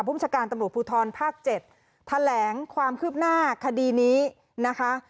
ผู้บัญชาการตำรวจภูทรภาค๗แถลงความคืบหน้าคดีนี้นะคะ